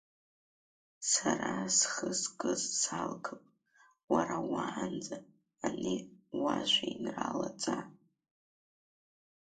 Сара зхы скыз салгап, уара уаанӡа ани уажәеинраала ҵа!